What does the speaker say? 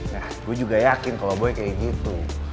nah gue juga yakin kalau gue kayak gitu